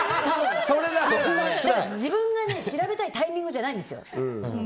自分が調べたいタイミングじゃないんですよ。